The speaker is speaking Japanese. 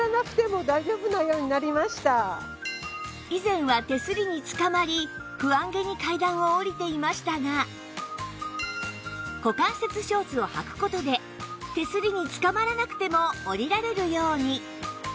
以前は手すりにつかまり不安げに階段を下りていましたが股関節ショーツをはく事で手すりにつかまらなくても下りられるように